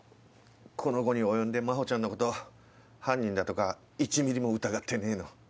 この期に及んで真帆ちゃんのこと犯人だとか１ｍｍも疑ってねえの。